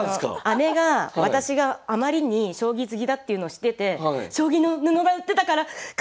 姉が私があまりに将棋好きだっていうのを知ってて「将棋の布が売ってたから買ってきたんだけど！」